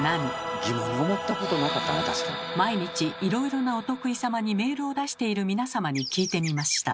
毎日いろいろなお得意様にメールを出している皆様に聞いてみました。